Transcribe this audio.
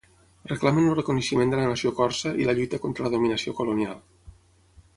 Reclamen el reconeixement de la nació corsa i la lluita contra la dominació colonial.